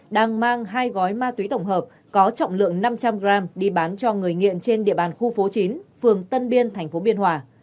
đang mang hai gói ma túy tổng hợp có trọng lượng năm trăm linh g đi bán cho người nghiện trên địa bàn khu phố chín phường tân biên tp biên hòa